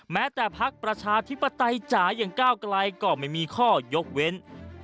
แม้แต่ภักดิ์ประชาธิปตไตยก่อนกลายก็ไม่มีข้อยกเงิน